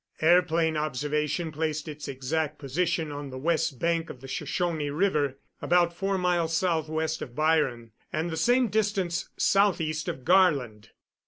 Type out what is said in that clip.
Airplane observation placed its exact position on the west bank of the Shoshone River, about four miles southwest of Byron and the same distance southeast of Garland.